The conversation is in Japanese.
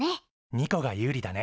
ニコが有利だね。